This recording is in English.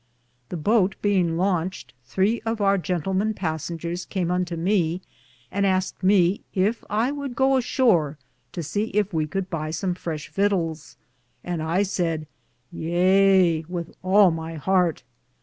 The boate beinge lanched, thre of our jentl men passingeres came unto me and asked me yf I would goo a shore to see yf we could buy some freshe vittals, and I sayd : Yeae, with all my harte.